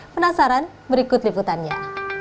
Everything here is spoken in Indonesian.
penasaran berikut liputannya